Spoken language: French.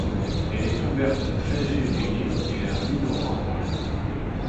Elle est ouverte de fin février et à mi-novembre.